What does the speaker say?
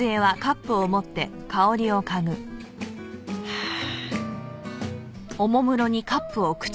はあ。